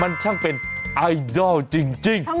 มันช่างเป็นไอดอลจริง